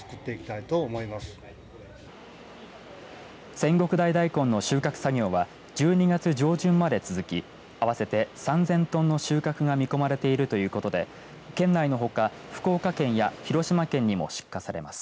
千石台だいこんの収穫作業は１２月上旬まで続き合わせて３０００トンの収穫が見込まれているということで県内のほか福岡県や広島県にも出荷されます。